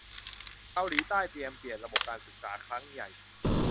เกาหลีใต้เตรียมเปลี่ยนระบบการศึกษาครั้งใหญ่